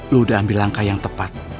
lu udah ambil langkah yang tepat